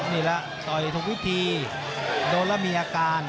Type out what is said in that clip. นี่แหละต่อยถูกวิธีโดนแล้วมีอาการ